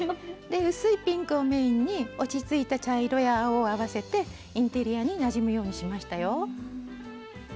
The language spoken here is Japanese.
薄いピンクをメインに落ち着いた茶色や青を合わせてインテリアになじむようにしましたよ。